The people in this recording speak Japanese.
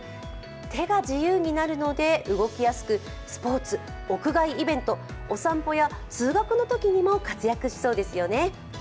手が自由になるので、動きやすくスポ−ツ、屋外イベント、お散歩や通学のときにも活躍しそうですよね。